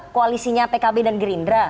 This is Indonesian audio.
koalisinya pkb dan gerindra